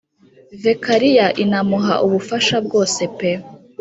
Vikariya inamuha ubufasha bwose pe